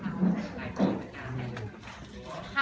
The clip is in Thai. ผมไม่ได้ผ่านอะไรมาเลยค่ะ